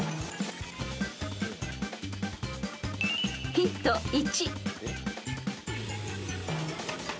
［ヒント１］